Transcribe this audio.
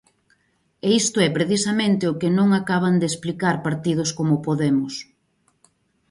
E isto é precisamente o que non acaban de explicar partidos como Podemos.